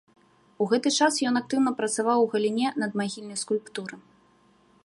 У гэты час ён актыўна працаваў у галіне надмагільнай скульптуры.